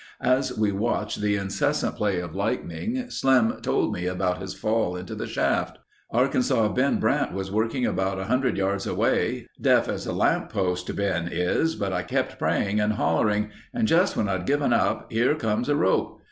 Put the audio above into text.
As we watched the incessant play of lightning, Slim told me about his fall into the shaft: "Arkansas Ben Brandt was working about 100 yards away. Deaf as a lamp post, Ben is, but I kept praying and hollering and just when I'd given up, here comes a rope.